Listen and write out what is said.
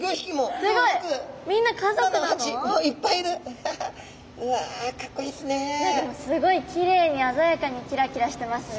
すごいきれいにあざやかにキラキラしてますね。